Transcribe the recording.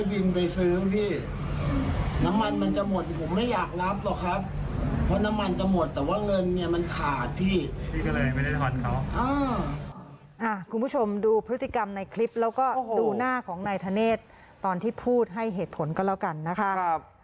คุณผู้ชมดูพฤติกรรมในคลิปแล้วก็ดูหน้าของนายธเนธตอนที่พูดให้เหตุผลก็แล้วกันนะคะ